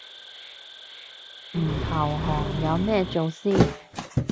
唔投降有咩做先